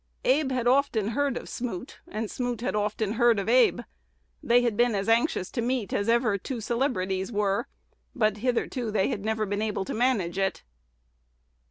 Abe had often heard of Smoot, and Smoot had often heard of Abe. They had been as anxious to meet as ever two celebrities were; but hitherto they had never been able to manage it.